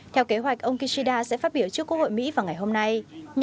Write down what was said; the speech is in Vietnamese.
theo kế hoạch ông kishida sẽ phát biểu trước quốc hội mỹ vào ngày hôm nay